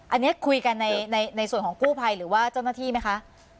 อันนี้คุยกันในส่วนของกู้ภัยหรือว่าเจ้าหน้าที่ไหมคะ